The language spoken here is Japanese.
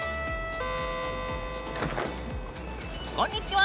こんにちは。